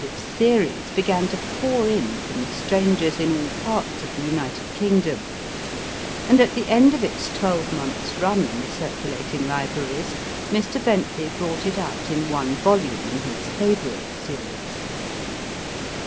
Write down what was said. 210 MY FIRST BOOK its theories began to pour in from strangers in all parts of the United Kingdom ; and at the end of its twelvemonth s run in the circulating libraries Mr. Bentley brought it out in one volume in his Favorite series.